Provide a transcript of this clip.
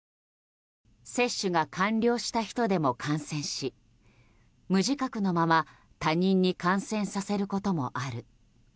接種が完了した人でも感染し無自覚のまま他人に感染させることもある。